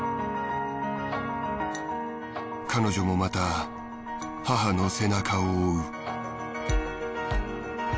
彼女もまた母の背中を追う。